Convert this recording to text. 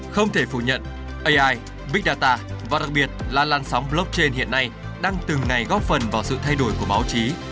không thể phủ nhận ai big data và đặc biệt là lan sóng blockchain hiện nay đang từng ngày góp phần vào sự thay đổi của báo chí